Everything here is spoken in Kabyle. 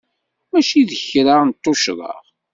Mačči d kra n tuccḍa.